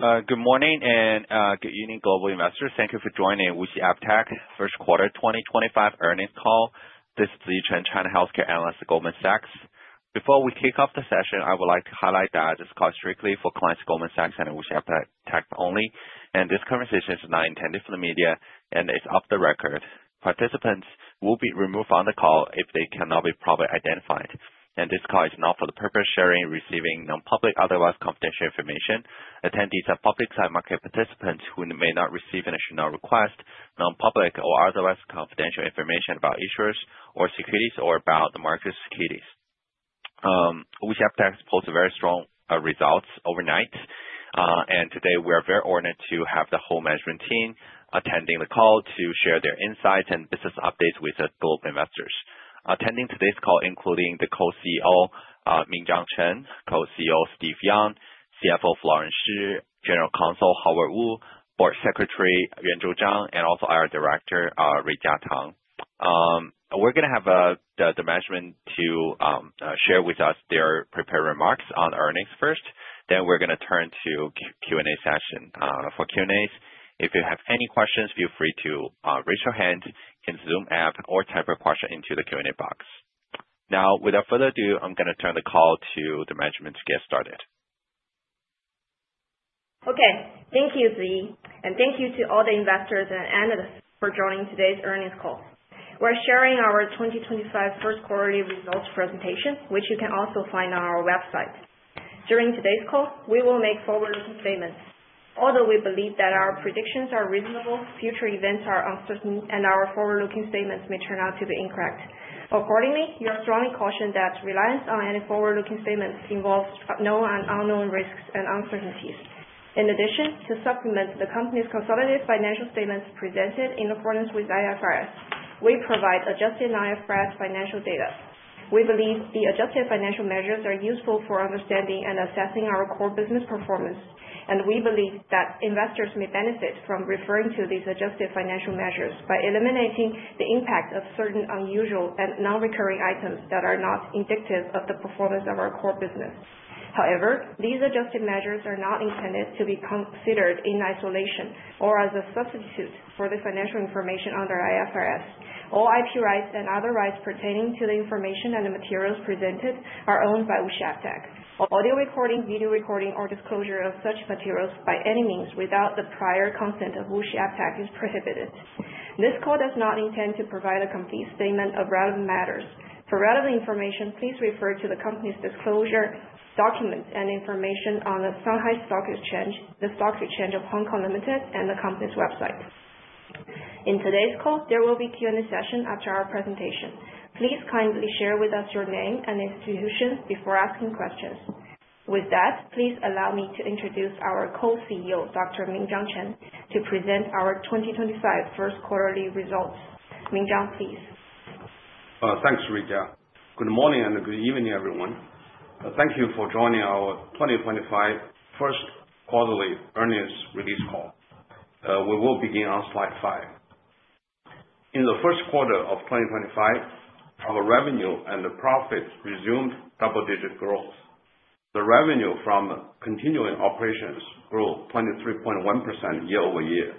Good morning and good evening, global investors. Thank you for joining WuXi AppTec First Quarter 2025 Earnings Call. This is Ziyi Chen, China Healthcare Analyst at Goldman Sachs. Before we kick off the session, I would like to highlight that this call is strictly for clients of Goldman Sachs and WuXi AppTec only, and this conversation is not intended for the media and is off the record. Participants will be removed from the call if they cannot be properly identified. This call is not for the purpose of sharing or receiving non-public, otherwise confidential information. Attendees are public-side market participants who may not receive and should not request non-public or otherwise confidential information about insurers or securities or about the market securities. WuXi AppTec has posted very strong results overnight, and today we are very honored to have the whole management team attending the call to share their insights and business updates with the global investors. Attending today's call, including the Co-CEO, Minzhang Chen, Co-CEO, Steve Yang, CFO, Florence Shi, General Counsel, Howard Wu, Board Secretary, Yuanzhou Zhang, and also our Director, Ruijia Tang. We're going to have the management to share with us their prepared remarks on earnings first. Then we're going to turn to Q&A session. For Q&As, if you have any questions, feel free to raise your hand in the Zoom app or type a question into the Q&A box. Now, without further ado, I'm going to turn the call to the management to get started. Okay. Thank you, Ziyi, and thank you to all the investors and analysts for joining today's earnings call. We're sharing our 2025 First Quarter Results presentation, which you can also find on our website. During today's call, we will make forward-looking statements. Although we believe that our predictions are reasonable, future events are uncertain, and our forward-looking statements may turn out to be incorrect. Accordingly, we are strongly cautioned that reliance on any forward-looking statements involves known and unknown risks and uncertainties. In addition, to supplement the company's consolidated financial statements presented in accordance with IFRS, we provide adjusted IFRS financial data. We believe the adjusted financial measures are useful for understanding and assessing our core business performance, and we believe that investors may benefit from referring to these adjusted financial measures by eliminating the impact of certain unusual and non-recurring items that are not indicative of the performance of our core business. However, these adjusted measures are not intended to be considered in isolation or as a substitute for the financial information under IFRS. All IP rights and other rights pertaining to the information and the materials presented are owned by WuXi AppTec. Audio recording, video recording, or disclosure of such materials by any means without the prior consent of WuXi AppTec is prohibited. This call does not intend to provide a complete statement of relevant matters. For relevant information, please refer to the company's disclosure documents and information on the Shanghai Stock Exchange, the Stock Exchange of Hong Kong Limited, and the company's website. In today's call, there will be a Q&A session after our presentation. Please kindly share with us your name and institution before asking questions. With that, please allow me to introduce our Co-CEO, Dr. Minzhang Chen, to present our 2025 First Quarterly Results. Minzhang, please. Thanks, Ruijia. Good morning and good evening, everyone. Thank you for joining our 2025 First Quarterly Earnings Release Call. We will begin on slide five. In the first quarter of 2025, our revenue and profits resumed double-digit growth. The revenue from continuing operations grew 23.1% year-over-year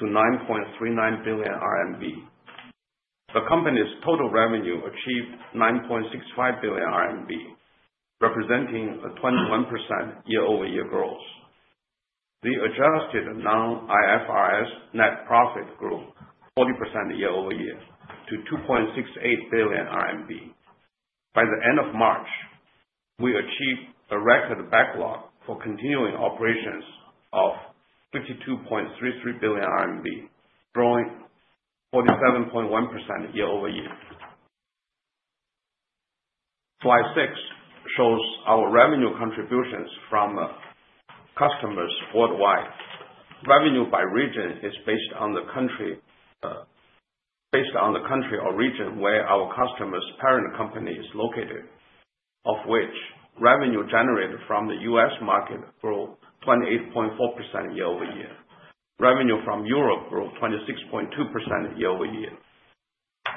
to 9.39 billion RMB. The company's total revenue achieved 9.65 billion RMB, representing a 21% year-over-year growth. The adjusted non-IFRS net profit grew 40% year-over-year to 2.68 billion RMB. By the end of March, we achieved a record backlog for continuing operations of 52.33 billion RMB, growing 47.1% year-over-year. Slide six shows our revenue contributions from customers worldwide. Revenue by region is based on the country or region where our customer's parent company is located, of which revenue generated from the U.S. market grew 28.4% year-over-year. Revenue from Europe grew 26.2% year-over-year.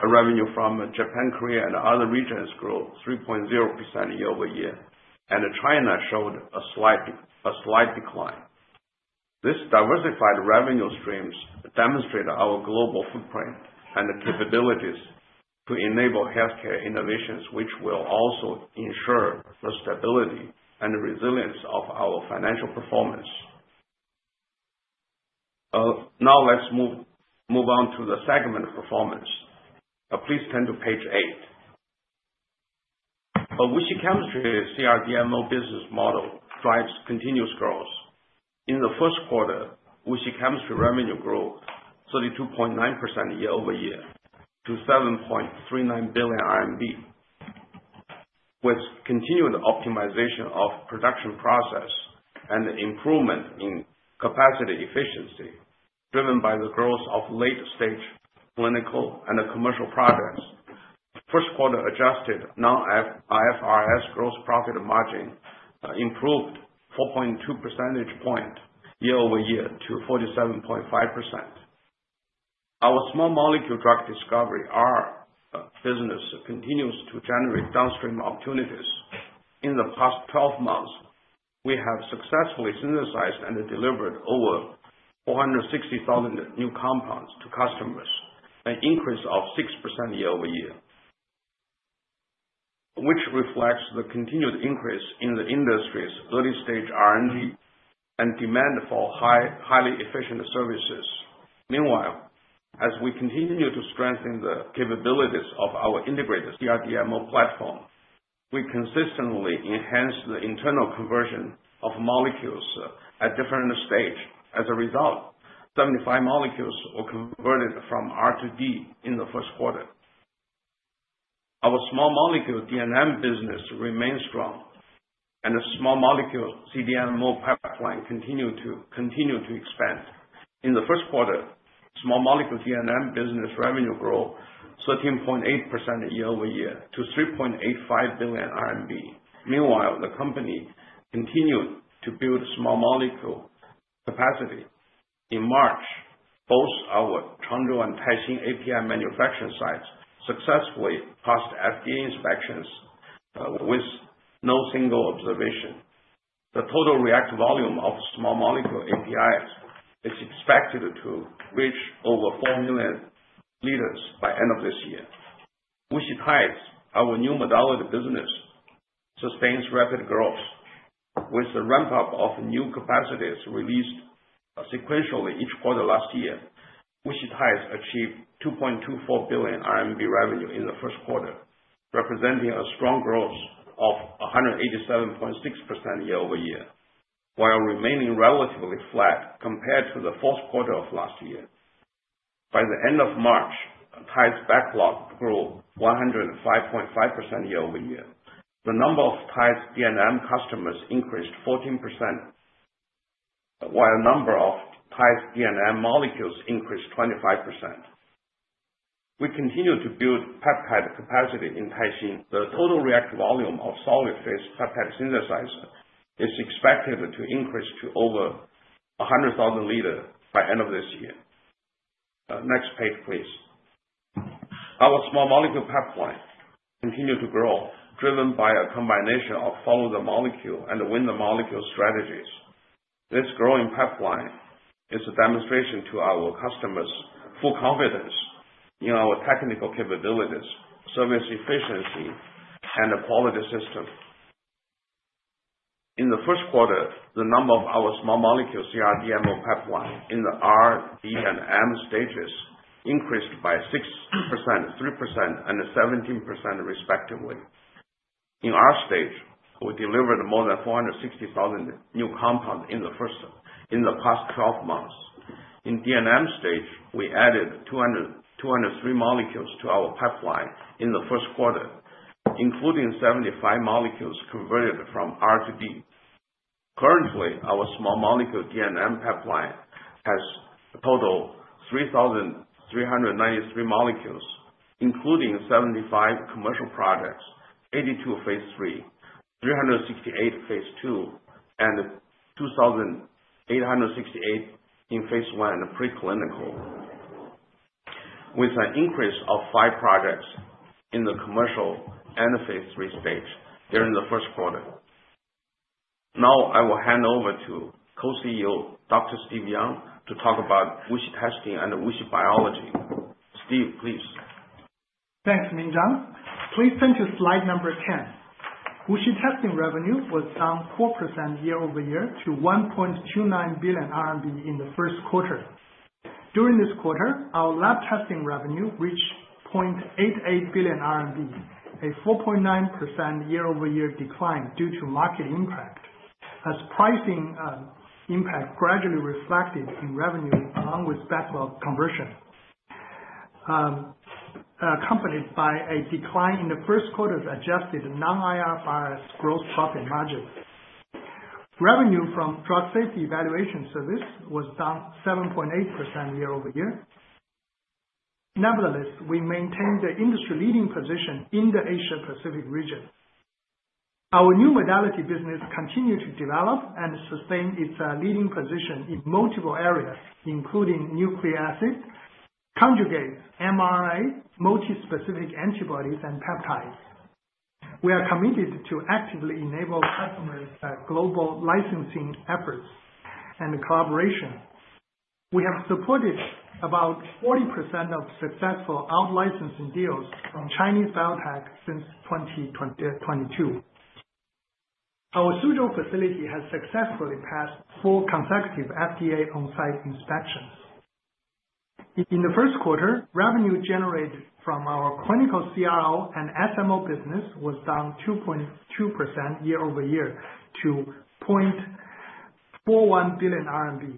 Revenue from Japan, Korea, and other regions grew 3.0% year-over-year, and China showed a slight decline. These diversified revenue streams demonstrate our global footprint and the capabilities to enable healthcare innovations, which will also ensure the stability and resilience of our financial performance. Now, let's move on to the segment performance. Please turn to page eight. WuXi Chemistry's CRDMO business model drives continuous growth. In the first quarter, WuXi Chemistry revenue grew 32.9% year-over-year to RMB 7.39 billion, with continued optimization of production processes and improvement in capacity efficiency driven by the growth of late-stage clinical and commercial products. First quarter adjusted non-IFRS gross profit margin improved 4.2 percentage points year-over-year to 47.5%. Our small molecule drug discovery business continues to generate downstream opportunities. In the past 12 months, we have successfully synthesized and delivered over 460,000 new compounds to customers, an increase of 6% year-over-year, which reflects the continued increase in the industry's early-stage R&D and demand for highly efficient services. Meanwhile, as we continue to strengthen the capabilities of our integrated CRDMO platform, we consistently enhance the internal conversion of molecules at different stages. As a result, 75 molecules were converted from R to D in the first quarter. Our small molecule D&M business remains strong, and the small molecule CRDMO pipeline continues to expand. In the first quarter, small molecule D&M business revenue grew 13.8% year-over-year to 3.85 billion RMB. Meanwhile, the company continued to build small molecule capacity. In March, both our Changzhou and Taixing API manufacturing sites successfully passed FDA inspections with no single observation. The total reactor volume of small molecule APIs is expected to reach over 4 million liters by the end of this year. WuXi TIDES, our new modality business, sustains rapid growth. With the ramp-up of new capacities released sequentially each quarter last year, WuXi TIDES achieved 2.24 billion RMB revenue in the first quarter, representing a strong growth of 187.6% year-over-year, while remaining relatively flat compared to the fourth quarter of last year. By the end of March, TIDES backlog grew 105.5% year-over-year. The number of TIDES D&M customers increased 14%, while the number of TIDES D&M molecules increased 25%. We continue to build peptide capacity in Taixing. The total reactor volume of solid-phase peptide synthesizer is expected to increase to over 100,000 liters by the end of this year. Next page, please. Our small molecule pipeline continues to grow, driven by a combination of follow-the-molecule and win-the-molecule strategies. This growing pipeline is a demonstration to our customers' full confidence in our technical capabilities, service efficiency, and quality systems. In the first quarter, the number of our small molecule CRDMO pipeline in the R, D, and M stages increased by 6%, 3%, and 17%, respectively. In R stage, we delivered more than 460,000 new compounds in the past 12 months. In D&M stage, we added 203 molecules to our pipeline in the first quarter, including 75 molecules converted from R to D. Currently, our small molecule D&M pipeline has a total of 3,393 molecules, including 75 commercial projects, 82 phase III, 368 phase II, and 2,868 in phase I preclinical, with an increase of five projects in the commercial and phase III stage during the first quarter. Now, I will hand over to Co-CEO, Dr. Steve Yang, to talk about WuXi Testing and WuXi Biology. Steve, please. Thanks, Minzhang. Please turn to slide number ten. WuXi Testing revenue was down 4% year-over-year to 1.29 billion RMB in the first quarter. During this quarter, our lab testing revenue reached 0.88 billion RMB, a 4.9% year-over-year decline due to market impact, as pricing impact gradually reflected in revenue along with backlog conversion, accompanied by a decline in the first quarter's adjusted non-IFRS gross profit margin. Revenue from drug safety evaluation service was down 7.8% year-over-year. Nevertheless, we maintained the industry-leading position in the Asia-Pacific region. Our new modality business continues to develop and sustain its leading position in multiple areas, including nucleic acids, conjugates, mRNA, multispecific antibodies, and peptides. We are committed to actively enabling customers' global licensing efforts and collaboration. We have supported about 40% of successful out-licensing deals from Chinese Biotech since 2022. Our Suzhou facility has successfully passed four consecutive FDA on-site inspections. In the first quarter, revenue generated from our clinical CRO and SMO business was down 2.2% year-over-year to 0.41 billion RMB.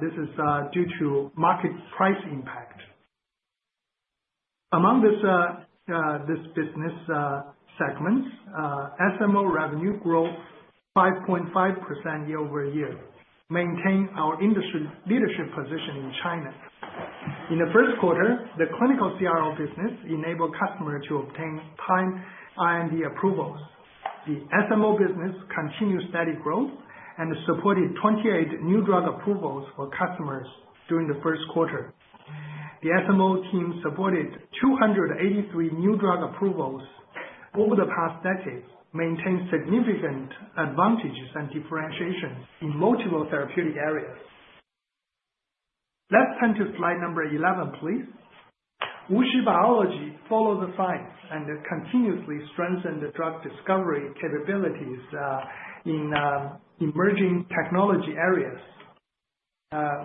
This is due to market price impact. Among this business segment, SMO revenue grew 5.5% year-over-year, maintaining our industry leadership position in China. In the first quarter, the clinical CRO business enabled customers to obtain timely R&D approvals. The SMO business continued steady growth and supported 28 new drug approvals for customers during the first quarter. The SMO team supported 283 new drug approvals over the past decade, maintaining significant advantages and differentiation in multiple therapeutic areas. Let's turn to slide number 11, please. WuXi Biology follows the science and continuously strengthens the drug discovery capabilities in emerging technology areas.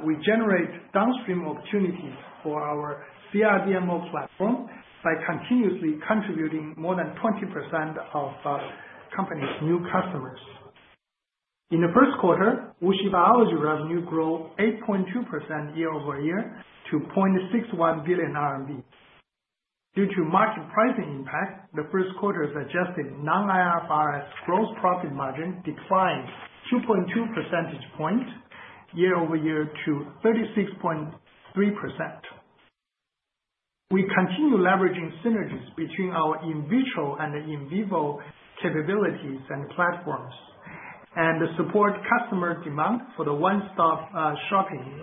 We generate downstream opportunities for our CRDMO platform by continuously contributing more than 20% of our company's new customers. In the first quarter, WuXi Biology revenue grew 8.2% year-over-year to 0.61 billion RMB. Due to market pricing impact, the first quarter's adjusted non-IFRS gross profit margin declined 2.2 percentage points year-over-year to 36.3%. We continue leveraging synergies between our in-vitro and in-vivo capabilities and platforms and support customer demand for the one-stop shopping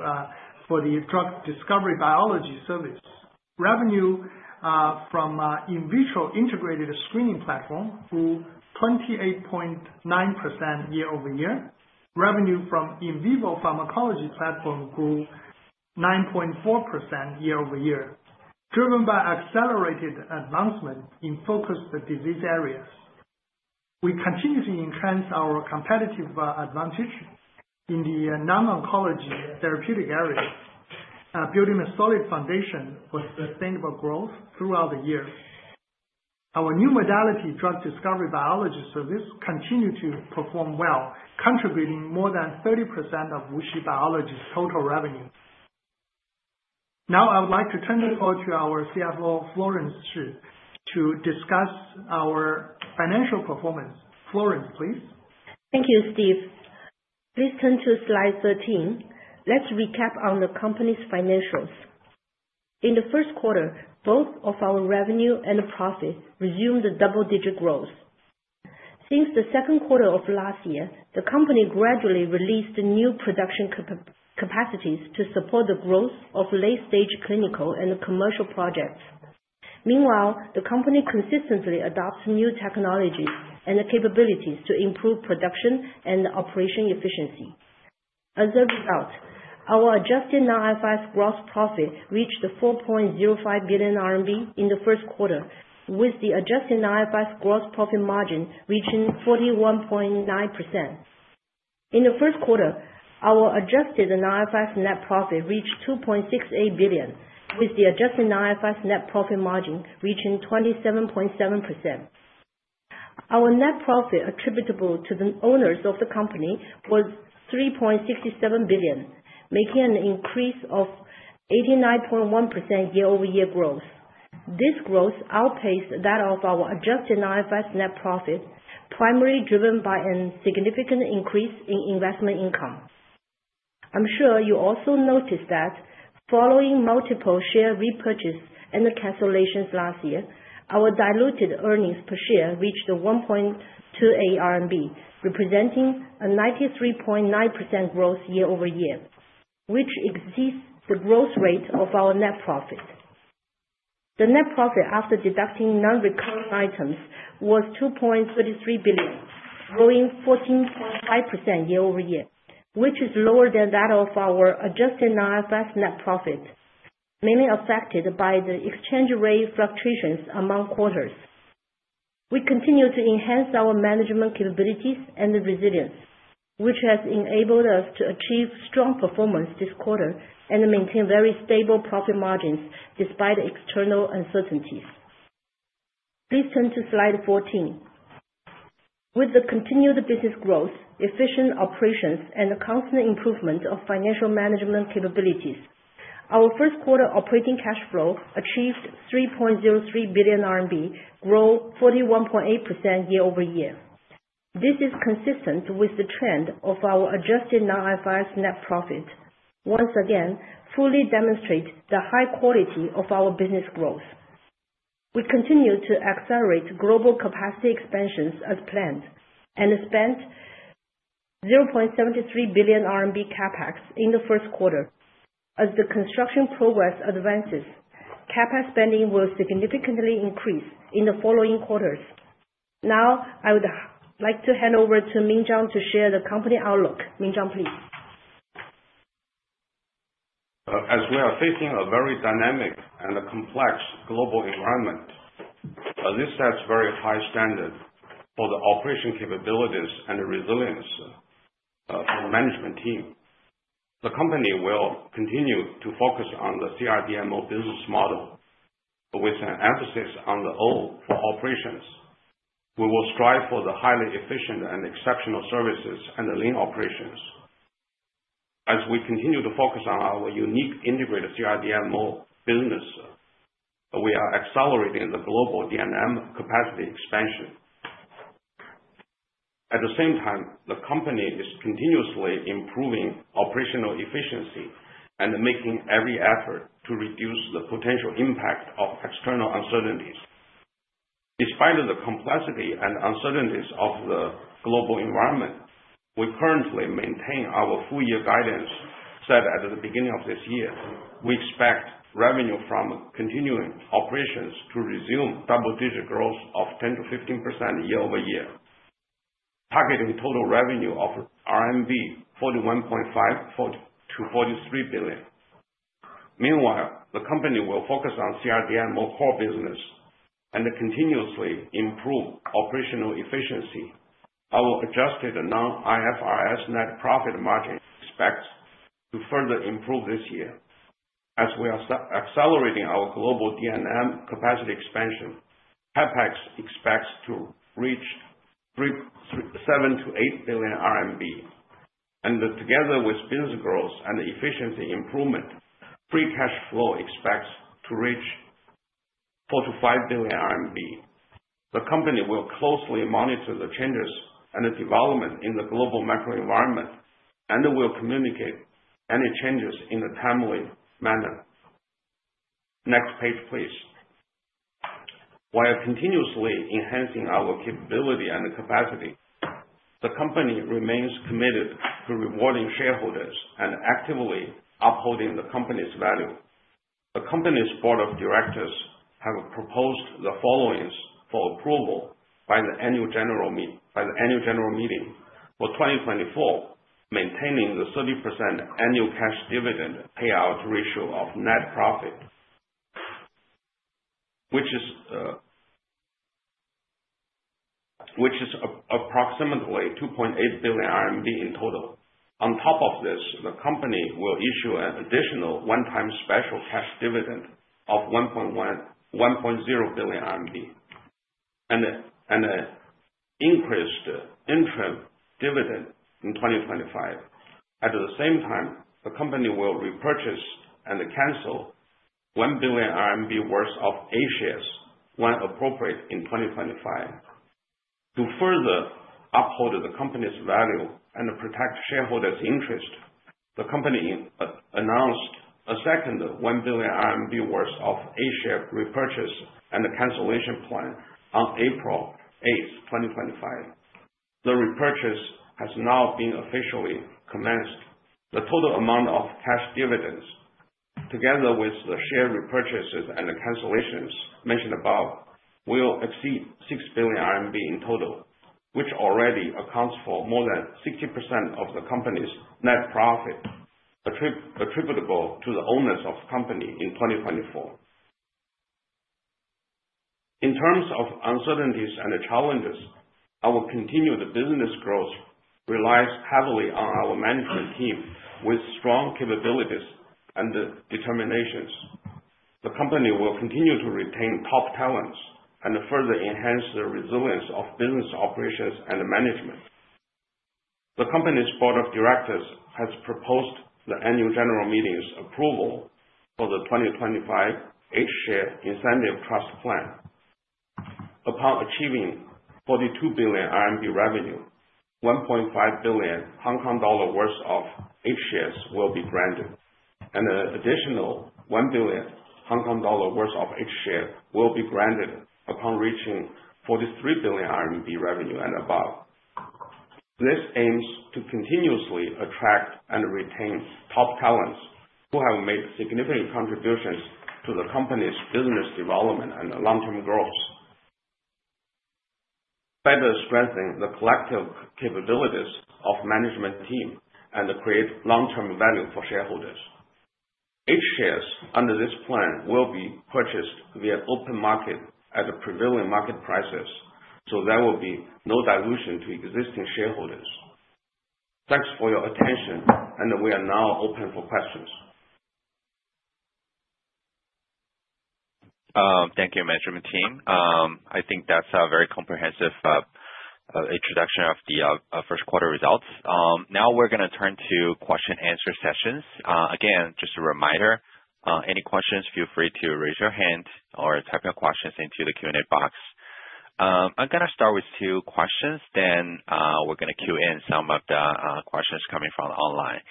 for the drug discovery biology service. Revenue from in-vitro integrated screening platform grew 28.9% year-over-year. Revenue from in-vivo pharmacology platform grew 9.4% year-over-year, driven by accelerated advancement in focused disease areas. We continue to enhance our competitive advantage in the non-oncology therapeutic areas, building a solid foundation for sustainable growth throughout the year. Our new modality drug discovery biology service continues to perform well, contributing more than 30% of WuXi Biology's total revenue. Now, I would like to turn the floor to our CFO, Florence Shi, to discuss our financial performance. Florence, please. Thank you, Steve. Please turn to slide 13. Let's recap on the company's financials. In the first quarter, both of our revenue and profit resumed double-digit growth. Since the second quarter of last year, the company gradually released new production capacities to support the growth of late-stage clinical and commercial projects. Meanwhile, the company consistently adopts new technologies and capabilities to improve production and operation efficiency. As a result, our adjusted non-IFRS gross profit reached 4.05 billion RMB in the first quarter, with the adjusted non-IFRS gross profit margin reaching 41.9%. In the first quarter, our adjusted non-IFRS net profit reached 2.68 billion, with the adjusted non-IFRS net profit margin reaching 27.7%. Our net profit attributable to the owners of the company was 3.67 billion, making an increase of 89.1% year-over-year growth. This growth outpaced that of our adjusted non-IFRS net profit, primarily driven by a significant increase in investment income. I'm sure you also noticed that following multiple share repurchase and cancellations last year, our diluted earnings per share reached 1.28 RMB, representing a 93.9% growth year-over-year, which exceeds the growth rate of our net profit. The net profit after deducting non-recurring items was 2.33 billion, growing 14.5% year-over-year, which is lower than that of our adjusted non-IFRS net profit, mainly affected by the exchange rate fluctuations among quarters. We continue to enhance our management capabilities and resilience, which has enabled us to achieve strong performance this quarter and maintain very stable profit margins despite external uncertainties. Please turn to slide 14. With the continued business growth, efficient operations, and the constant improvement of financial management capabilities, our first quarter operating cash flow achieved 3.03 billion RMB, growing 41.8% year-over-year. This is consistent with the trend of our adjusted non-IFRS net profit, once again fully demonstrating the high quality of our business growth. We continue to accelerate global capacity expansions as planned and spent 0.73 billion RMB CapEx in the first quarter. As the construction progress advances, CapEx spending will significantly increase in the following quarters. Now, I would like to hand over to Minzhang to share the company outlook. Minzhang, please. As we are facing a very dynamic and complex global environment, this sets very high standards for the operation capabilities and the resilience of the management team. The company will continue to focus on the CRDMO business model with an emphasis on the O for operations. We will strive for the highly efficient and exceptional services and the lean operations. As we continue to focus on our unique integrated CRDMO business, we are accelerating the global D&M capacity expansion. At the same time, the company is continuously improving operational efficiency and making every effort to reduce the potential impact of external uncertainties. Despite the complexity and uncertainties of the global environment, we currently maintain our full-year guidance set at the beginning of this year. We expect revenue from continuing operations to resume double-digit growth of 10%-15% year-over-year, targeting total revenue of 41.5 billion-43 billion RMB. Meanwhile, the company will focus on CRDMO core business and continuously improve operational efficiency. Our adjusted non-IFRS net profit margin expects to further improve this year. As we are accelerating our global D&M capacity expansion, CapEx expects to reach 7 billion-8 billion RMB. Together with business growth and efficiency improvement, free cash flow expects to reach 4 billion-5 billion RMB. The company will closely monitor the changes and the development in the global macro environment and will communicate any changes in a timely manner. Next page, please. While continuously enhancing our capability and capacity, the company remains committed to rewarding shareholders and actively upholding the company's value. The company's board of directors have proposed the following for approval by the annual general meeting for 2024: maintaining the 30% annual cash dividend payout ratio of net profit, which is approximately 2.8 billion RMB in total. On top of this, the company will issue an additional one-time special cash dividend of 1.0 billion RMB and an increased interim dividend in 2025. At the same time, the company will repurchase and cancel 1 billion RMB worth of A-shares when appropriate in 2025. To further uphold the company's value and protect shareholders' interest, the company announced a second 1 billion RMB worth of A-share repurchase and cancellation plan on April 8, 2025. The repurchase has now been officially commenced. The total amount of cash dividends, together with the share repurchases and cancellations mentioned above, will exceed 6 billion RMB in total, which already accounts for more than 60% of the company's net profit attributable to the owners of the company in 2024. In terms of uncertainties and challenges, our continued business growth relies heavily on our management team with strong capabilities and determinations. The company will continue to retain top talents and further enhance the resilience of business operations and management. The company's board of directors has proposed the annual general meeting's approval for the 2025 A-share incentive trust plan. Upon achieving 42 billion RMB revenue, 1.5 billion Hong Kong dollar worth of A-shares will be granted, and an additional 1 billion Hong Kong dollar worth of A-shares will be granted upon reaching 43 billion RMB revenue and above. This aims to continuously attract and retain top talents who have made significant contributions to the company's business development and long-term growth, further strengthening the collective capabilities of the management team and creating long-term value for shareholders. A-shares under this plan will be purchased via open market at prevailing market prices, so there will be no dilution to existing shareholders. Thanks for your attention, and we are now open for questions. Thank you, management team. I think that's a very comprehensive introduction of the first quarter results. Now, we're going to turn to question-and-answer sessions. Again, just a reminder, any questions, feel free to raise your hand or type your questions into the Q&A box. I'm going to start with two questions, then we're going to queue in some of the questions coming from online.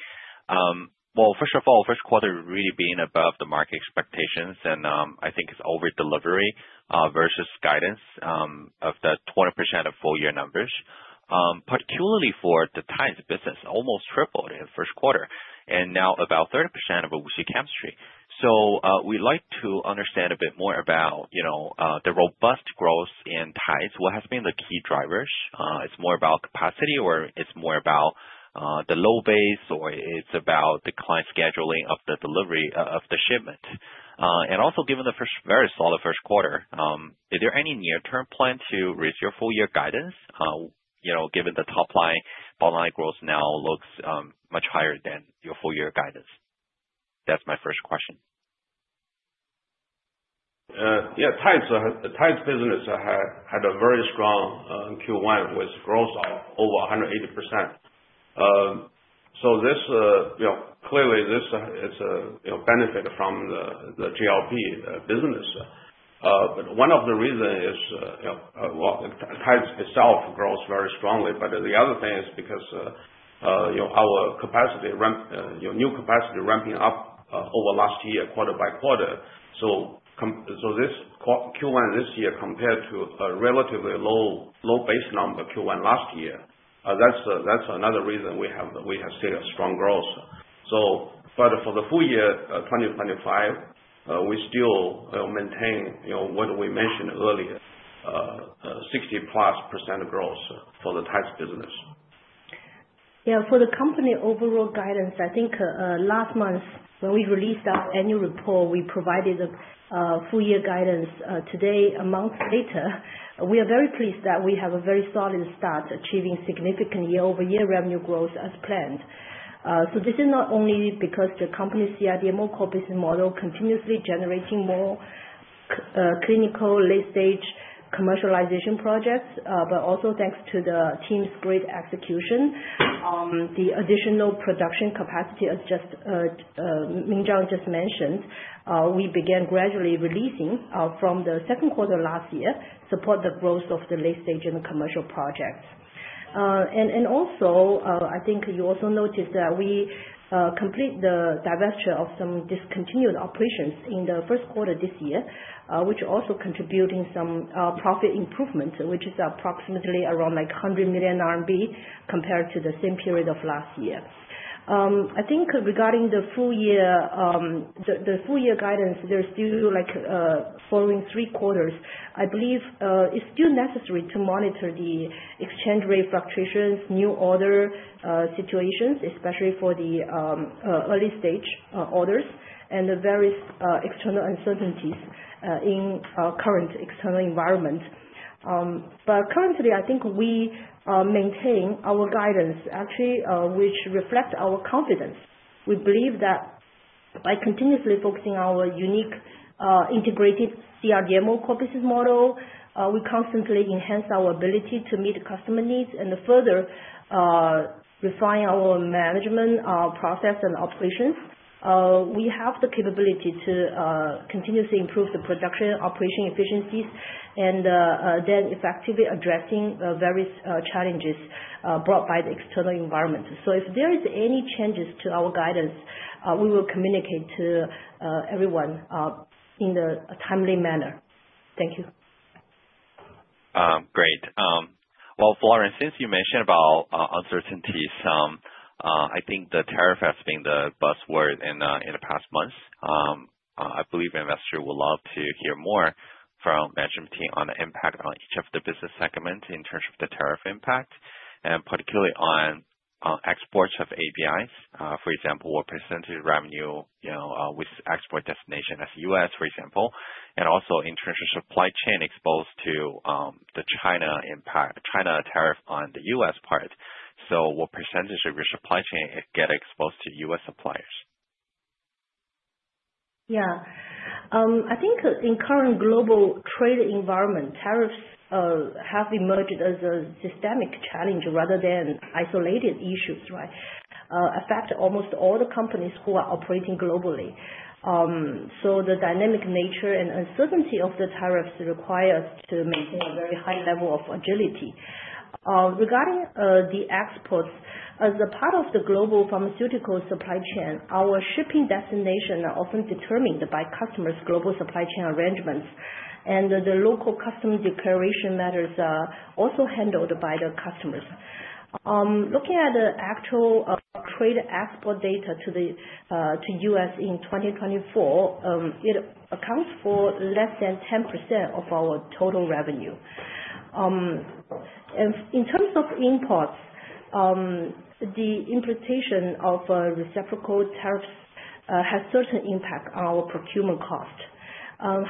First of all, first quarter really being above the market expectations, and I think it's over-delivery versus guidance of the 20% of full-year numbers. Particularly for the Tides business, almost tripled in the first quarter, and now about 30% of WuXi Chemistry. So we'd like to understand a bit more about the robust growth in Tides. What has been the key drivers? It's more about capacity, or it's more about the low base, or it's about the client scheduling of the delivery of the shipment? Also, given the very solid first quarter, is there any near-term plan to raise your full-year guidance, given the top-line bottom-line growth now looks much higher than your full-year guidance? That's my first question. Yeah. Tides business had a very strong Q1 with growth of over 180%. Clearly, this is a benefit from the GLP-1 business. One of the reasons is Tides itself grows very strongly, but the other thing is because our new capacity ramping up over last year, quarter by quarter. This Q1 this year compared to a relatively low base number Q1 last year, that's another reason we have seen a strong growth. For the full year 2025, we still maintain what we mentioned earlier, 60-plus % growth for the Tides business. Yeah. For the company overall guidance, I think last month when we released our annual report, we provided a full-year guidance. Today, a month later, we are very pleased that we have a very solid start achieving significant year-over-year revenue growth as planned. This is not only because the company's CRDMO core business model continuously generating more clinical late-stage commercialization projects, but also thanks to the team's great execution. The additional production capacity, as Minzhang just mentioned, we began gradually releasing from the second quarter last year to support the growth of the late-stage and the commercial projects. I think you also noticed that we completed the divestiture of some discontinued operations in the first quarter this year, which also contributed to some profit improvement, which is approximately around 100 million RMB compared to the same period of last year. I think regarding the full-year guidance, there's still following three quarters, I believe it's still necessary to monitor the exchange rate fluctuations, new order situations, especially for the early-stage orders, and the various external uncertainties in our current external environment. Currently, I think we maintain our guidance, actually, which reflects our confidence. We believe that by continuously focusing on our unique integrated CRDMO core business model, we constantly enhance our ability to meet customer needs and further refine our management process and operations. We have the capability to continuously improve the production operation efficiencies and then effectively addressing various challenges brought by the external environment. If there are any changes to our guidance, we will communicate to everyone in a timely manner. Thank you. Great. Florence, since you mentioned about uncertainties, I think the tariff has been the buzzword in the past months. I believe investors would love to hear more from management team on the impact on each of the business segments in terms of the tariff impact, and particularly on exports of APIs. For example, what percentage of revenue with export destination as US, for example, and also in terms of supply chain exposed to the China tariff on the US part. What percentage of your supply chain gets exposed to US suppliers? Yeah. I think in the current global trade environment, tariffs have emerged as a systemic challenge rather than isolated issues, right? Affect almost all the companies who are operating globally. The dynamic nature and uncertainty of the tariffs require us to maintain a very high level of agility. Regarding the exports, as a part of the global pharmaceutical supply chain, our shipping destination is often determined by customers' global supply chain arrangements, and the local customer declaration matters are also handled by the customers. Looking at the actual trade export data to the U.S. in 2024, it accounts for less than 10% of our total revenue. In terms of imports, the implication of reciprocal tariffs has a certain impact on our procurement cost.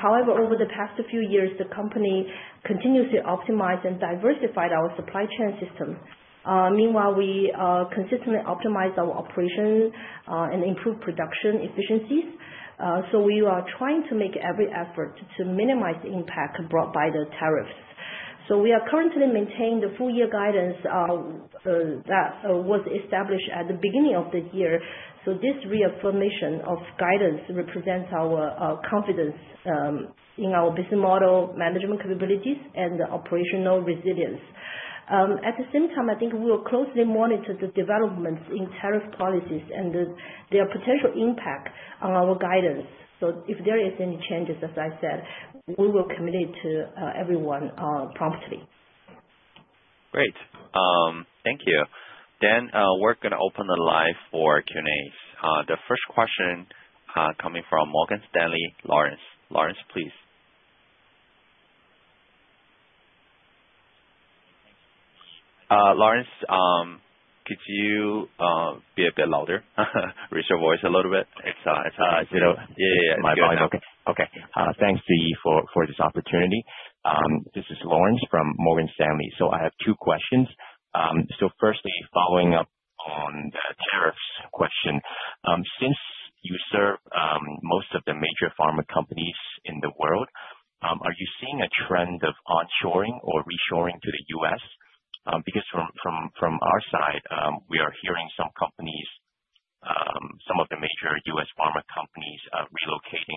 However, over the past few years, the company continuously optimized and diversified our supply chain system. Meanwhile, we consistently optimized our operation and improved production efficiencies. We are trying to make every effort to minimize the impact brought by the tariffs. We are currently maintaining the full-year guidance that was established at the beginning of the year. This reaffirmation of guidance represents our confidence in our business model, management capabilities, and operational resilience. At the same time, I think we will closely monitor the developments in tariff policies and their potential impact on our guidance. If there are any changes, as I said, we will communicate to everyone promptly. Great. Thank you. We are going to open the live for Q&As. The first question is coming from Morgan Stanley, Lawrence. Lawrence, please. Lawrence, could you be a bit louder, raise your voice a little bit? It's all right. Yeah, yeah. My volume. Okay. Okay. Thanks, Ziyi, for this opportunity. This is Lawrence from Morgan Stanley. I have two questions. Firstly, following up on the tariffs question, since you serve most of the major pharma companies in the world, are you seeing a trend of onshoring or reshoring to the U.S.? Because from our side, we are hearing some companies, some of the major U.S. pharma companies, relocating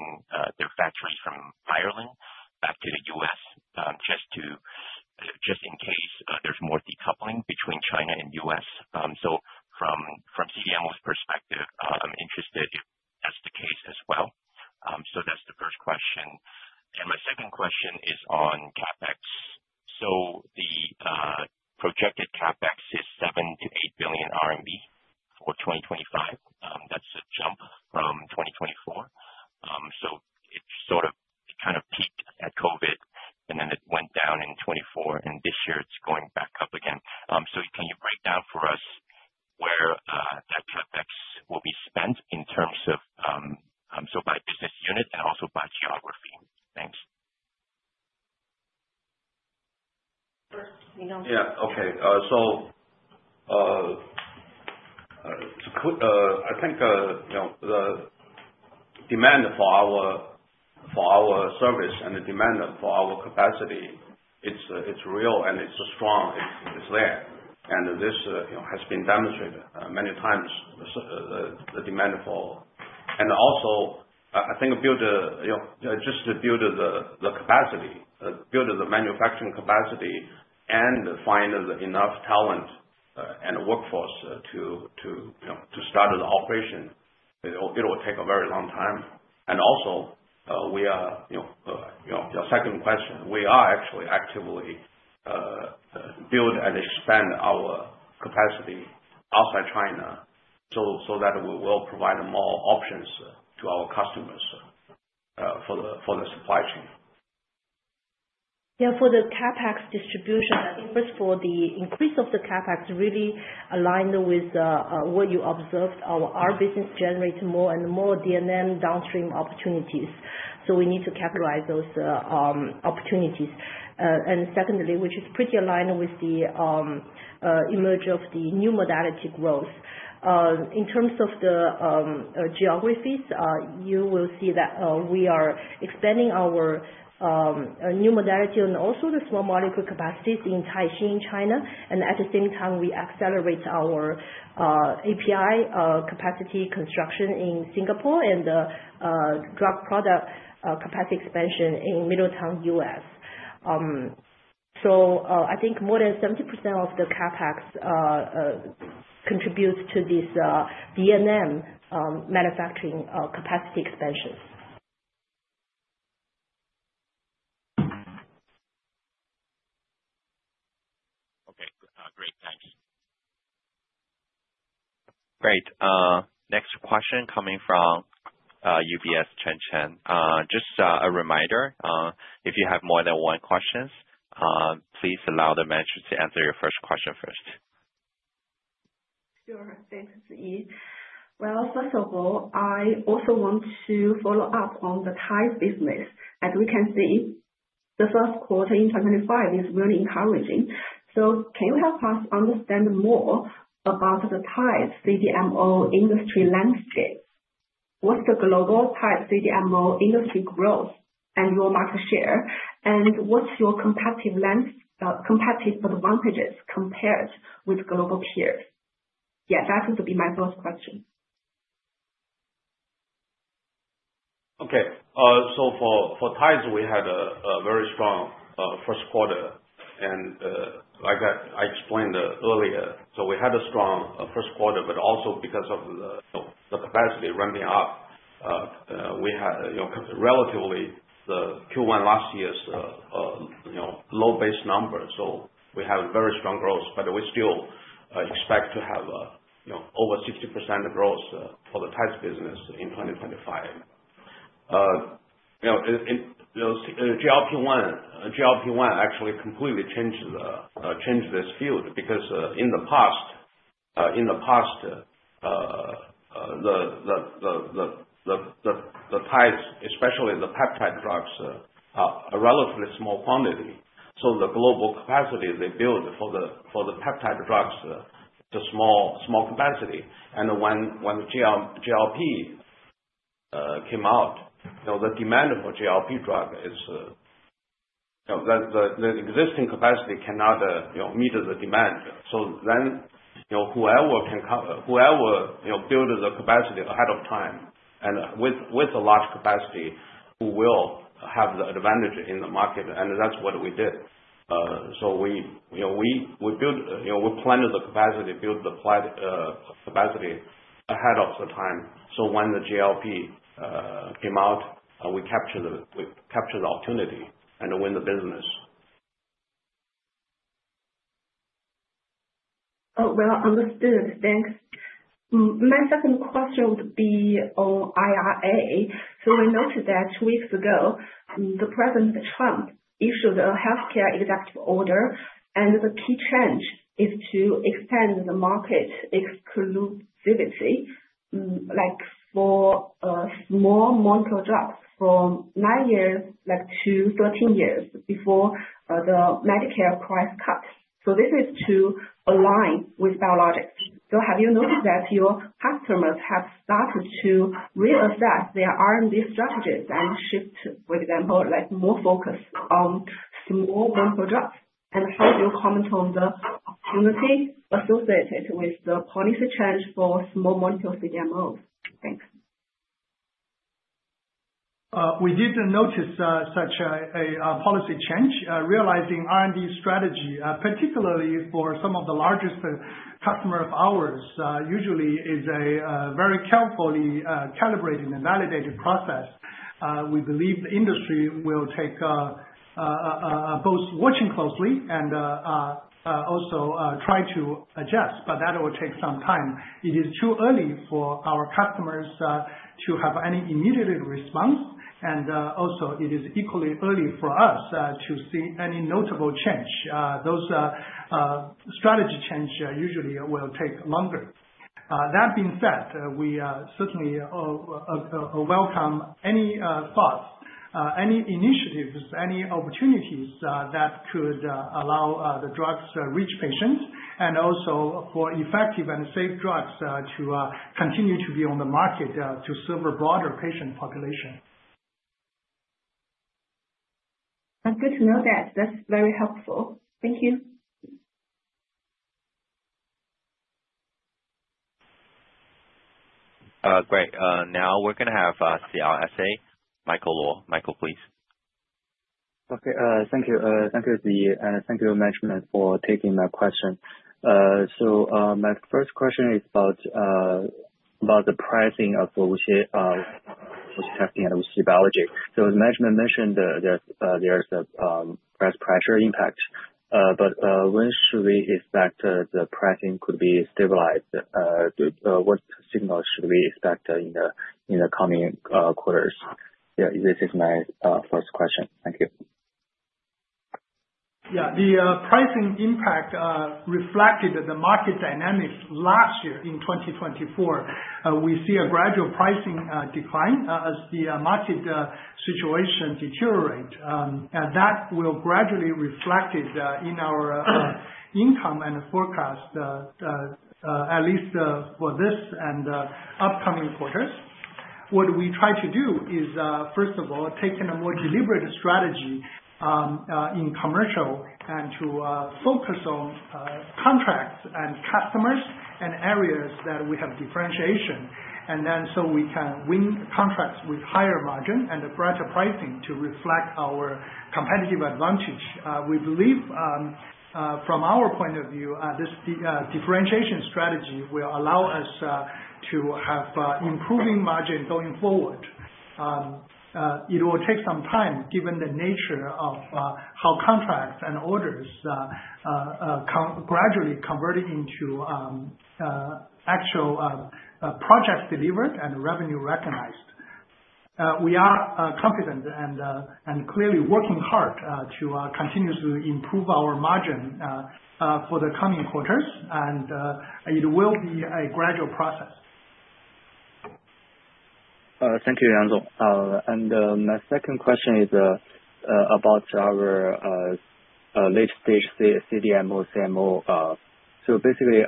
building and expanding our capacity outside China so that we will provide more options to our customers for the supply chain. For the CapEx distribution, I think first, for the increase of the CapEx really aligned with what you observed, our business generates more and more D&M downstream opportunities. We need to capitalize those opportunities. Secondly, which is pretty aligned with the emerge of the new modality growth. In terms of the geographies, you will see that we are expanding our new modality and also the small molecule capacities in Taixing, China. At the same time, we accelerate our API capacity construction in Singapore and drug product capacity expansion in Middletown, US. I think more than 70% of the CapEx contributes to this D&M manufacturing capacity expansions. Okay. Great. Thanks. Great. Next question coming from UBS Chencheng. Just a reminder, if you have more than one question, please allow the manager to answer your first question first. Sure. Thanks, Ziyi. First of all, I also want to follow up on the Tides business. As we can see, the first quarter in 2025 is really encouraging. Can you help us understand more about the Tides CDMO industry landscape? What's the global Tides CDMO industry growth and your market share? What are your competitive advantages compared with global peers? That would be my first question. Okay. For Tides, we had a very strong first quarter. Like I explained earlier, we had a strong first quarter, but also because of the capacity ramping up, we had relatively the Q1 last year's low base number. We have very strong growth, but we still expect to have over 60% growth for the Tides business in 2025. GLP-1 actually completely changed this field because in the past, the Tides, especially the peptide drugs, are relatively small quantity. The global capacity they build for the peptide drugs is a small capacity. When GLP came out, the demand for GLP drug is the existing capacity cannot meet the demand. Whoever can build the capacity ahead of time and with a large capacity will have the advantage in the market. That's what we did. We planned the capacity, built the capacity ahead of the time. When the GLP came out, we captured the opportunity and win the business. Oh, understood. Thanks. My second question would be on IRA. We noticed that two weeks ago, President Trump issued a healthcare executive order, and the key change is to expand the market exclusivity for small molecule drugs from 9 years to 13 years before the Medicare price cut. This is to align with biologics. Have you noticed that your customers have started to reassess their R&D strategies and shift, for example, more focus on small molecule drugs? How do you comment on the opportunity associated with the policy change for small molecule CDMOs? Thanks. We did notice such a policy change. Realizing R&D strategy, particularly for some of the largest customers of ours, usually is a very carefully calibrated and validated process. We believe the industry will take both watching closely and also try to adjust, but that will take some time. It is too early for our customers to have any immediate response. It is equally early for us to see any notable change. Those strategy changes usually will take longer. That being said, we certainly welcome any thoughts, any initiatives, any opportunities that could allow the drugs to reach patients, and also for effective and safe drugs to continue to be on the market to serve a broader patient population. That's good to know. That's very helpful. Thank you. Great. Now we're going to have CLSA. Michael Luo, please. Thank you. Thank you, Ziyi. And thank you, management, for taking my question. My first question is about the pricing of WuXi Testing and WuXi Biology. The management mentioned there is a price pressure impact, but when should we expect the pricing could be stabilized? What signal should we expect in the coming quarters? Yeah, this is my first question. Thank you. Yeah. The pricing impact reflected the market dynamics last year in 2024. We see a gradual pricing decline as the market situation deteriorates. That will gradually reflect in our income and forecast, at least for this and upcoming quarters. What we try to do is, first of all, take a more deliberate strategy in commercial and to focus on contracts and customers and areas that we have differentiation. Then we can win contracts with higher margin and a better pricing to reflect our competitive advantage. We believe from our point of view, this differentiation strategy will allow us to have improving margin going forward. It will take some time given the nature of how contracts and orders gradually convert into actual projects delivered and revenue recognized. We are confident and clearly working hard to continue to improve our margin for the coming quarters, and it will be a gradual process. Thank you, Yang. My second question is about our late-stage CDMO/CMO. Basically,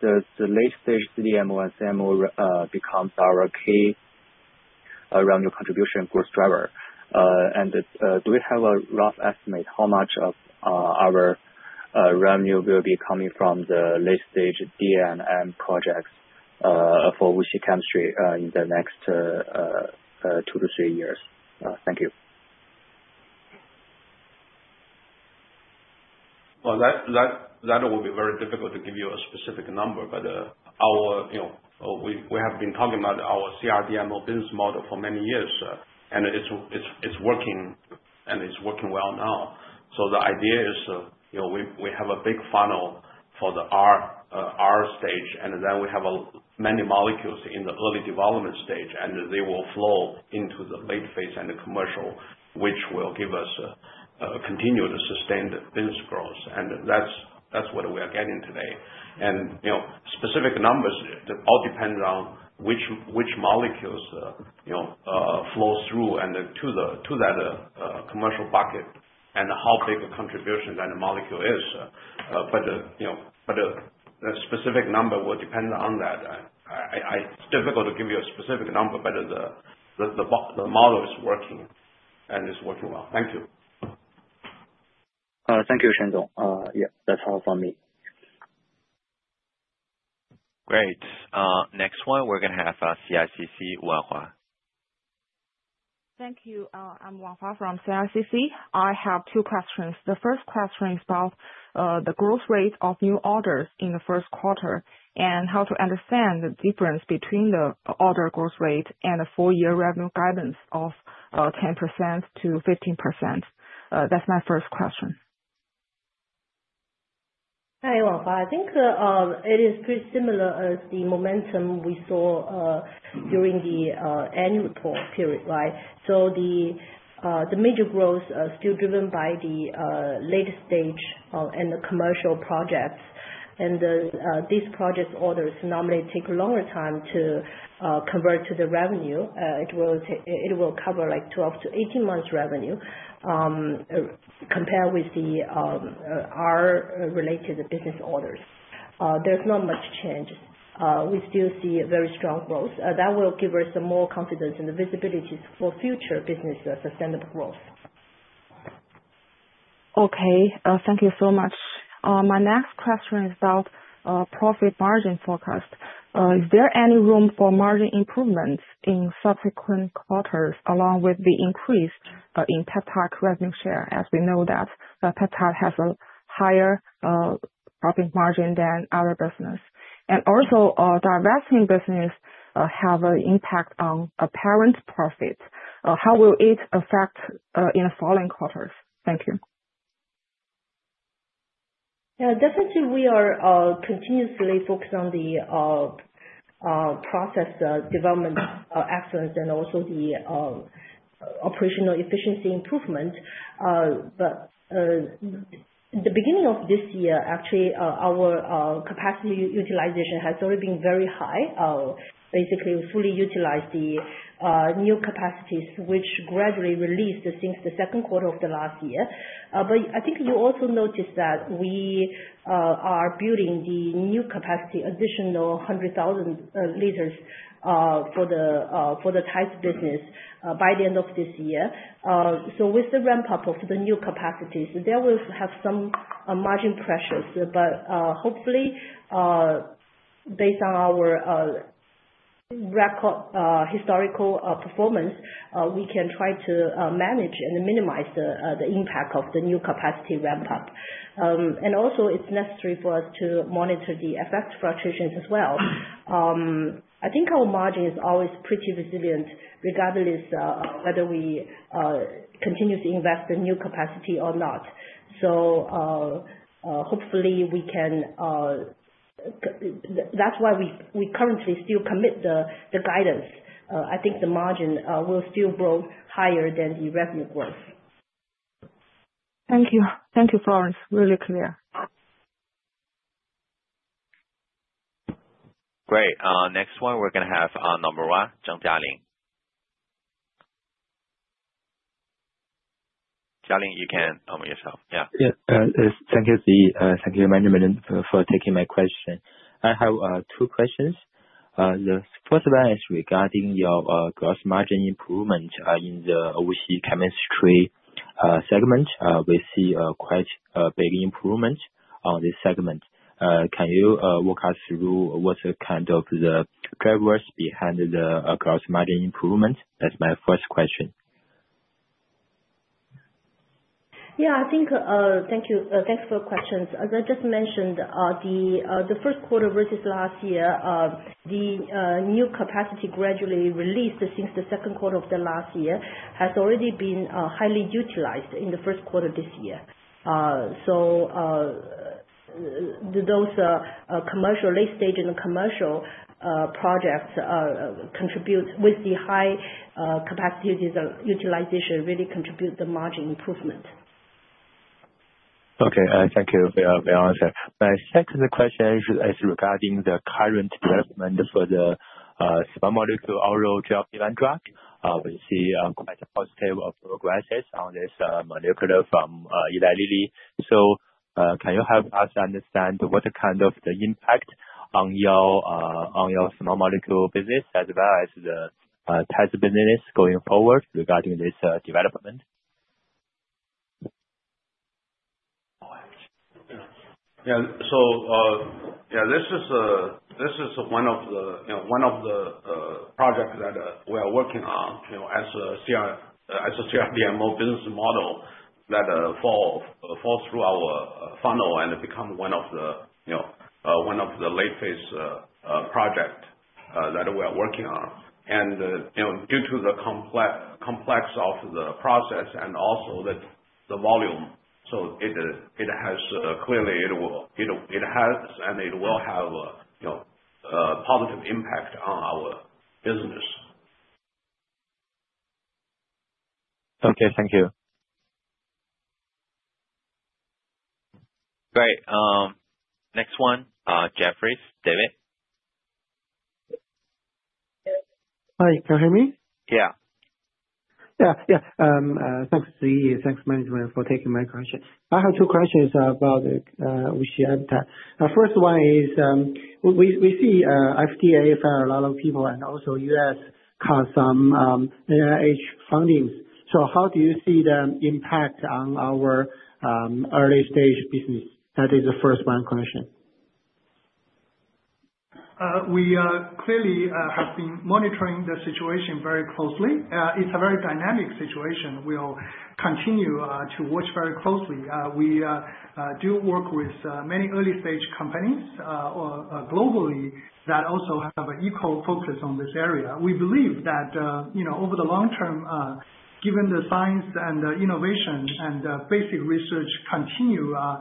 the late-stage CDMO and CMO becomes our key revenue contribution growth driver. Do we have a rough estimate how much of our revenue will be coming from the late-stage D&M projects for WuXi Chemistry in the next two to three years? Thank you. That will be very difficult to give you a specific number, but we have been talking about our CRDMO business model for many years, and it's working, and it's working well now. The idea is we have a big funnel for the R stage, and then we have many molecules in the early development stage, and they will flow into the late phase and the commercial, which will give us continued sustained business growth. That's what we are getting today. Specific numbers, it all depends on which molecules flow through and to that commercial bucket and how big a contribution that molecule is. The specific number will depend on that. It's difficult to give you a specific number, but the model is working, and it's working well. Thank you. Thank you, Chen. Yeah, that's all from me. Great. Next one, we're going to have CICC, Wang Hua. Thank you. I'm Wanhua from CICC. I have two questions. The first question is about the growth rate of new orders in the first quarter and how to understand the difference between the order growth rate and the four-year revenue guidance of 10%-15%. That's my first question. Hi, Wang Hua. I think it is pretty similar as the momentum we saw during the annual report period, right? The major growth is still driven by the late stage and the commercial projects. These project orders normally take a longer time to convert to the revenue. It will cover like 12-18 months revenue compared with the R-related business orders. There's not much change. We still see very strong growth. That will give us more confidence in the visibilities for future business sustainable growth. Okay. Thank you so much. My next question is about profit margin forecast. Is there any room for margin improvements in subsequent quarters along with the increase in peptide revenue share as we know that peptide has a higher profit margin than other business? Also, our divesting business has an impact on apparent profit. How will it affect in the following quarters? Thank you. Yeah. Definitely, we are continuously focused on the process development excellence and also the operational efficiency improvement. At the beginning of this year, actually, our capacity utilization has already been very high. Basically, we fully utilized the new capacities, which gradually released since the second quarter of the last year. I think you also noticed that we are building the new capacity, additional 100,000 liters for the Tides business by the end of this year. With the ramp-up of the new capacities, there will have some margin pressures. Hopefully, based on our record historical performance, we can try to manage and minimize the impact of the new capacity ramp-up. Also, it's necessary for us to monitor the effect fluctuations as well. I think our margin is always pretty resilient regardless of whether we continue to invest in new capacity or not. Hopefully, we can, that's why we currently still commit the guidance. I think the margin will still grow higher than the revenue growth. Thank you. Thank you, Florence. Really clear. Great. Next one, we're going to have Nomura, Zhang Jialin. Jialin, you can unmute yourself. Yeah. Yes. Thank you, Ziyi. Thank you, management, for taking my question. I have two questions. The first one is regarding your gross margin improvement in the WuXi Chemistry segment. We see quite a big improvement on this segment. Can you walk us through what's the kind of the drivers behind the gross margin improvement? That's my first question. Yeah. I think thank you. Thanks for the questions. As I just mentioned, the first quarter versus last year, the new capacity gradually released since the second quarter of last year has already been highly utilized in the first quarter this year. Those commercial late-stage and commercial projects contribute with the high capacity utilization really contribute the margin improvement. Okay. Thank you, Florence. My second question is regarding the current development for the small molecule oral GLP-1 drug. We see quite a positive progress on this molecule from Eli Lilly. Can you help us understand what kind of the impact on your small molecule business as well as the Tides business going forward regarding this development? Yeah. This is one of the projects that we are working on as a CRDMO business model that falls through our funnel and becomes one of the late-phase projects that we are working on. Due to the complexity of the process and also the volume, it has clearly, it has and it will have a positive impact on our business. Okay. Thank you. Great. Next one, Jefferies, David. Hi. Can you hear me? Yeah. Yeah. Yeah. Thanks, Ziyi. Thanks, management, for taking my question. I have two questions about WuXi AppTec. The first one is we see FDA for a lot of people and also US cuts on NIH fundings. How do you see the impact on our early-stage business? That is the first one question. We clearly have been monitoring the situation very closely. It is a very dynamic situation. We will continue to watch very closely. We do work with many early-stage companies globally that also have an equal focus on this area. We believe that over the long term, given the science and innovation and basic research continue to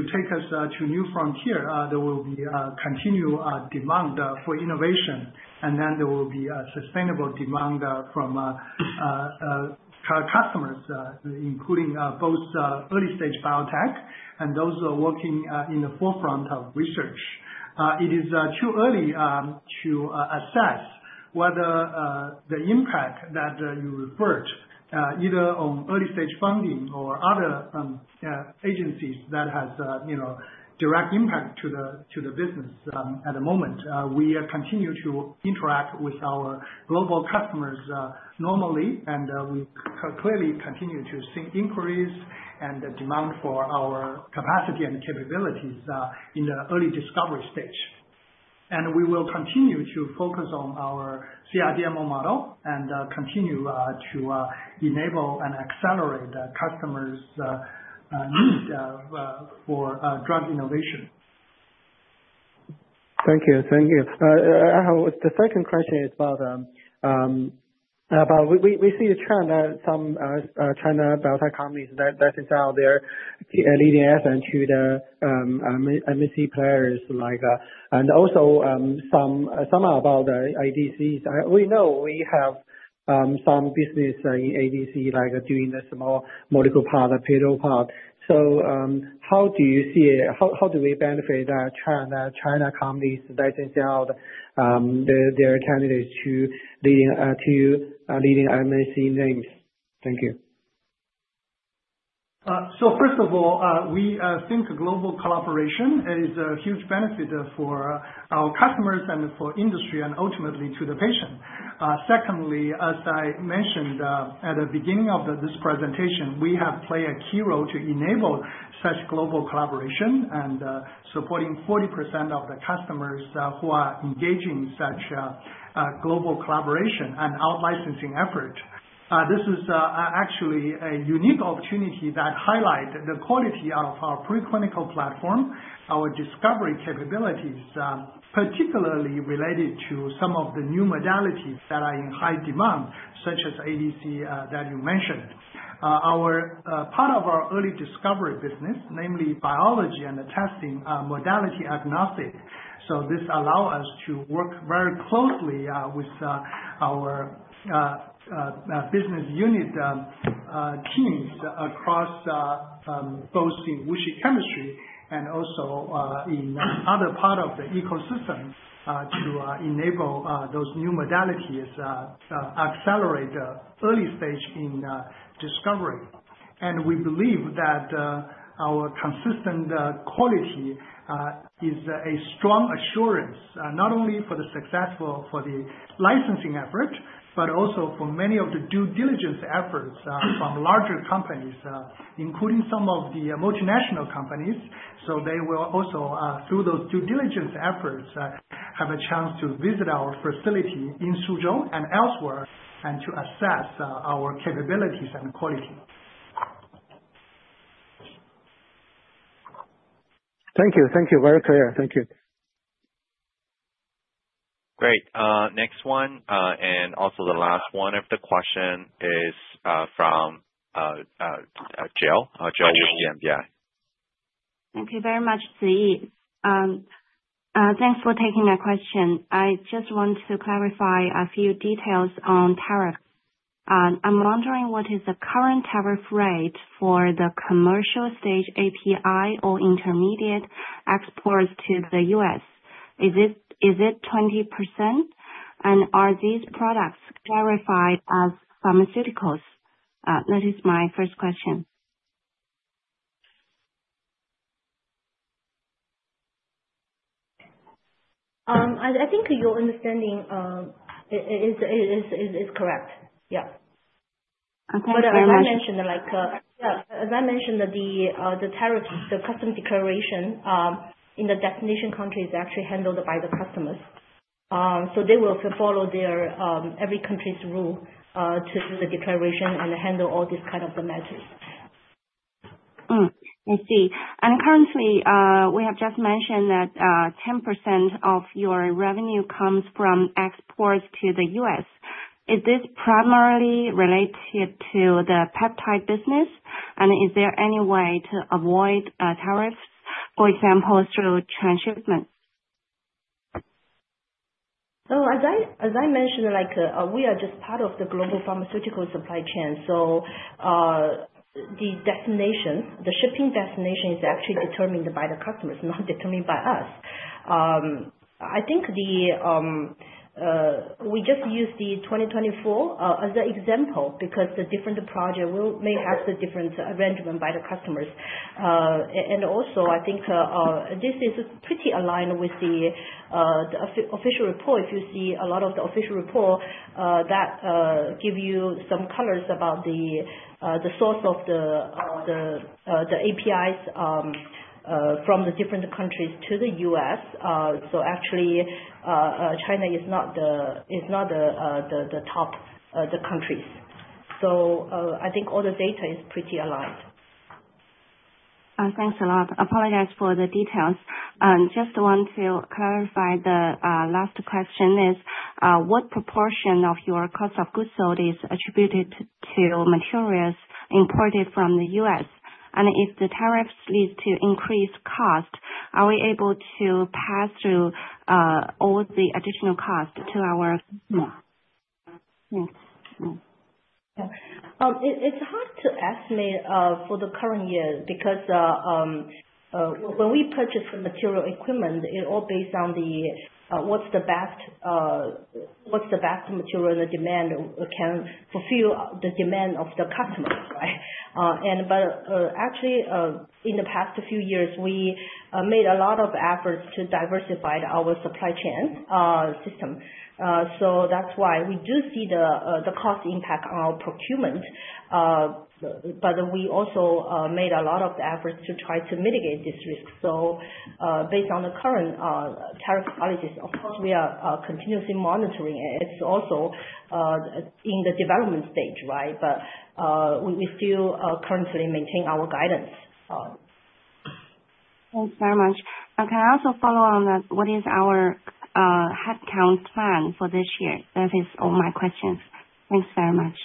take us to new frontiers, there will be a continued demand for innovation. There will be a sustainable demand from customers, including both early-stage biotech and those working in the forefront of research. It is too early to assess whether the impact that you referred, either on early-stage funding or other agencies, has a direct impact to the business at the moment. We continue to interact with our global customers normally, and we clearly continue to see increase in the demand for our capacity and capabilities in the early discovery stage. We will continue to focus on our CRDMO model and continue to enable and accelerate the customer's need for drug innovation. Thank you. Thank you. The second question is about we see a trend that some China biotech companies that is out-licensing into the MNC players and also some about the ADCs. We know we have some business in ADC like doing the small molecule part, the payload part. How do you see it? How do we benefit China companies that is out their candidates to leading MNC names? Thank you. First of all, we think global collaboration is a huge benefit for our customers and for industry and ultimately to the patient. Secondly, as I mentioned at the beginning of this presentation, we have played a key role to enable such global collaboration and supporting 40% of the customers who are engaging in such global collaboration and out-licensing effort. This is actually a unique opportunity that highlights the quality of our preclinical platform, our discovery capabilities, particularly related to some of the new modalities that are in high demand, such as ADC that you mentioned. Part of our early discovery business, namely biology and the testing modality agnostic. This allows us to work very closely with our business unit teams across both in WuXi Chemistry and also in other parts of the ecosystem to enable those new modalities, accelerate the early stage in discovery. We believe that our consistent quality is a strong assurance not only for the successful licensing effort, but also for many of the due diligence efforts from larger companies, including some of the multinational companies. They will also, through those due diligence efforts, have a chance to visit our facility in Suzhou and elsewhere and to assess our capabilities and quality. Thank you. Thank you. Very clear. Thank you. Great. Next one, and also the last one of the question is from Jill. Jill Wu, CMBI Thank you very much, Ziyi. Thanks for taking my question. I just want to clarify a few details on tariffs. I'm wondering what is the current tariff rate for the commercial stage API or intermediate exports to the U.S.? Is it 20%? And are these products clarified as pharmaceuticals? That is my first question. I think your understanding is correct. Yeah. Thank you very much. Yeah. As I mentioned, the tariffs, the customs declaration in the destination country is actually handled by the customers. They will follow every country's rule to do the declaration and handle all these kinds of matters. I see. Currently, we have just mentioned that 10% of your revenue comes from exports to the U.S. Is this primarily related to the peptide business? Is there any way to avoid tariffs, for example, through transshipment? As I mentioned, we are just part of the global pharmaceutical supply chain. The destination, the shipping destination is actually determined by the customers, not determined by us. I think we just use 2024 as an example because the different projects may have the different arrangement by the customers. I think this is pretty aligned with the official report. If you see a lot of the official report that gives you some colors about the source of the APIs from the different countries to the U.S., China is not the top of the countries. I think all the data is pretty aligned. Thanks a lot. Apologize for the details. Just want to clarify the last question is what proportion of your cost of goods sold is attributed to materials imported from the U.S.? If the tariffs lead to increased cost, are we able to pass through all the additional cost to our customer? It's hard to estimate for the current year because when we purchase the material equipment, it's all based on what's the best material and the demand can fulfill the demand of the customers, right? Actually, in the past few years, we made a lot of efforts to diversify our supply chain system. That's why we do see the cost impact on our procurement. We also made a lot of efforts to try to mitigate this risk. Based on the current tariff policies, of course, we are continuously monitoring. It's also in the development stage, right? We still currently maintain our guidance. Thanks very much. Can I also follow on what is our headcount plan for this year? That is all my questions. Thanks very much.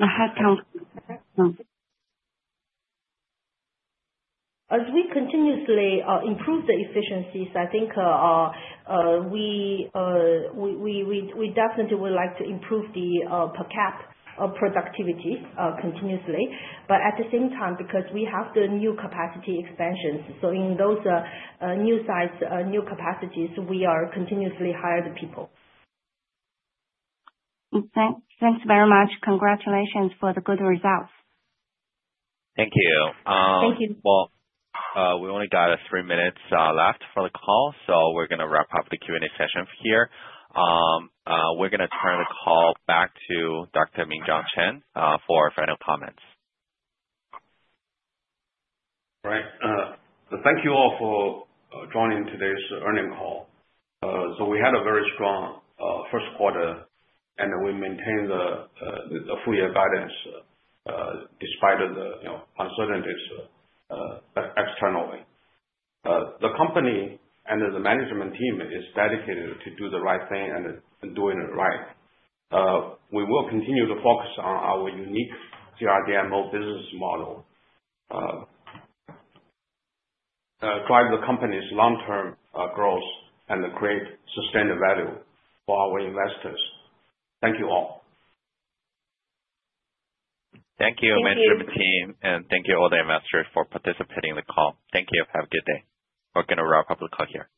The headcount. As we continuously improve the efficiencies, I think we definitely would like to improve the per cap productivity continuously. At the same time, because we have the new capacity expansions, in those new sites, new capacities, we are continuously hiring people. Thanks very much. Congratulations for the good results. Thank you. Thank you. We only got three minutes left for the call, so we're going to wrap up the Q&A session here. We're going to turn the call back to Dr. Minzhang Chen for final comments. Right. Thank you all for joining today's earning call. We had a very strong first quarter, and we maintained the full-year guidance despite the uncertainties externally. The company and the management team are dedicated to do the right thing and doing it right. We will continue to focus on our unique CRDMO business model, drive the company's long-term growth, and create sustained value for our investors. Thank you all. Thank you, management team, and thank you all the investors for participating in the call. Thank you. Have a good day. We're going to wrap up the call here.